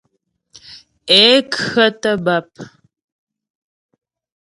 Ě khə́tə̀ bàp.